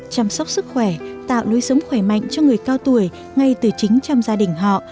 chăm sóc sức khỏe tạo lối sống khỏe mạnh cho người cao tuổi ngay từ chính trong gia đình họ